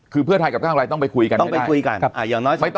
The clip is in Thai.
คือเพื่อไทยกับข้างไรต้องไปคุยกันให้ได้